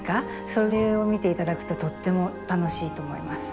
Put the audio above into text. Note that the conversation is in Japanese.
それを見て頂くととっても楽しいと思います。